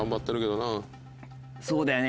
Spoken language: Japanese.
そうだよね